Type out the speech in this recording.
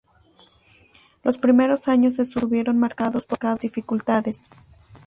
Los primeros años de su vida estuvieron marcados por las dificultades.